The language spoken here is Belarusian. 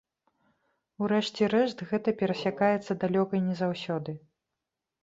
У рэшце рэшт гэта перасякаецца далёка не заўсёды.